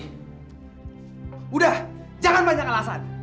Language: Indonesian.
sudah jangan banyak alasan